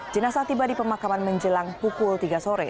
jenasa tiba di pemakaman menjelang pukul tiga sore